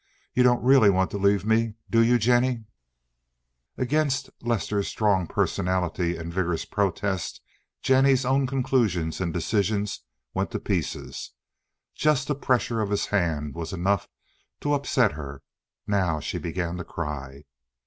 You don't really want to leave me, do you, Jennie?" Against Lester's strong personality and vigorous protest Jennie's own conclusions and decisions went to pieces. Just the pressure of his hand was enough to upset her. Now she began to cry.